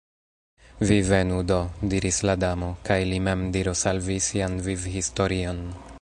"Vi venu, do," diris la Damo, "kaj li mem diros al vi sian vivhistorion."